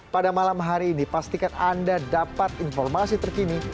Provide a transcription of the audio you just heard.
pada malam hari ini pastikan anda dapat informasi terkini